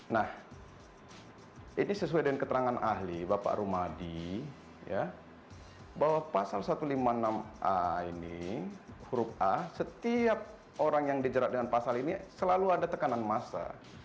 nah ini sesuai dengan keterangan ahli bapak rumadi bahwa pasal satu ratus lima puluh enam a ini huruf a setiap orang yang dijerat dengan pasal ini selalu ada tekanan massa